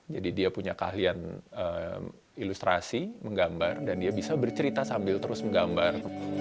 jadi dia punya kahlian ilustrasi menggambar dan dia bisa bercerita sambil terus menggambar